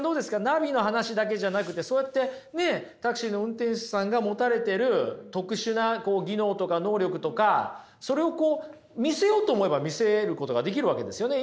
ナビの話だけじゃなくてそうやってタクシーの運転手さんが持たれてる特殊な技能とか能力とかそれを見せようと思えば見せることができるわけですよね。